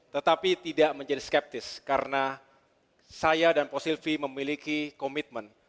tetapi tidak menjadi skeptis karena saya dan pak sylvi memiliki komitmen